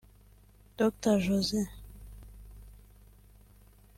Dr Jose